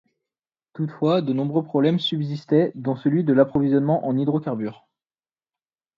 Toutefois, de nombreux problèmes subsistaient, dont celui de l'approvisionnement en hydrocarbures.